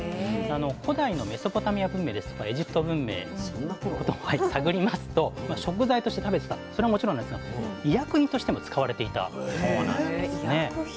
古代のメソポタミア文明ですとかエジプト文明探りますと食材として食べてたそれはもちろんなんですが医薬品としても使われていたそうなんですね。へ医薬品。